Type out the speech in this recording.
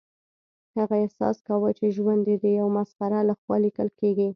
هغه احساس کاوه چې ژوند یې د یو مسخره لخوا لیکل کیږي